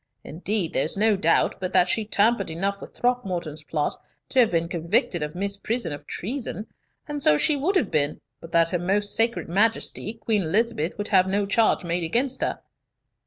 Indeed, there's no doubt but that she tampered enough with Throckmorton's plot to have been convicted of misprision of treason, and so she would have been, but that her most sacred Majesty, Queen Elizabeth, would have no charge made against her.